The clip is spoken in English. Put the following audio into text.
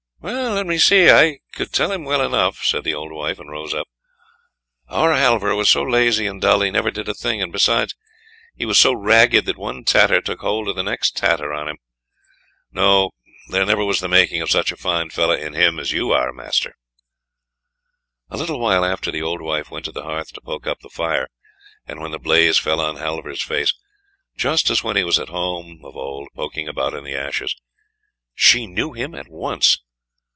"Let me see; I could tell him well enough," said the old wife, and rose up. "Our Halvor was so lazy and dull, he never did a thing; and besides, he was so ragged, that one tatter took hold of the next tatter on him. No; there never was the making of such a fine fellow in him as you are, master." A little while after the old wife went to the hearth to poke up the fire, and when the blaze fell on Halvor's face, just as when he was at home of old poking about in the ashes, she knew him at once.